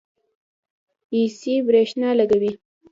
ایسی برښنا لګوي